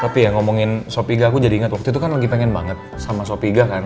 tapi ya ngomongin sop iga aku jadi inget waktu itu kan lagi pengen banget sama sop iga kan